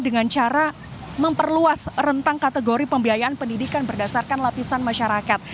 dengan cara memperluas rentang kategori pembiayaan pendidikan berdasarkan lapisan masyarakat